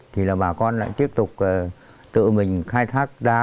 thì là bà con lại tiếp tục tự mình khai thác đá